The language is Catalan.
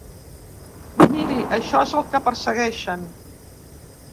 Miri, això és el que persegueixen.